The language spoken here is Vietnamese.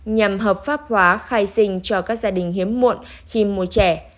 nhằm hợp pháp hóa khai sinh cho các gia đình hiếm muộn khi mua trẻ